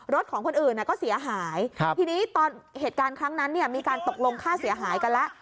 ของคนอื่นก็เสียหายทีนี้ตอนเหตุการณ์ครั้งนั้นเนี่ยมีการตกลงค่าเสียหายกันแล้ว